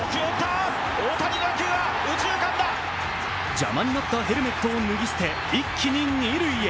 邪魔になったヘルメットを脱ぎ捨て、一気に二塁へ。